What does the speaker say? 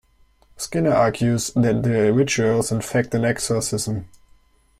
Skinner argues that the ritual is in fact an exorcism.